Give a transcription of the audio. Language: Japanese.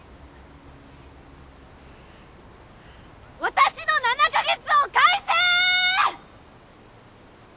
私の７か月を返せ！！